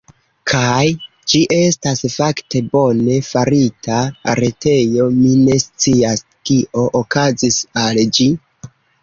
Kaj... ĝi estas fakte bone farita retejo, mi ne scias, kio okazis al ĝi.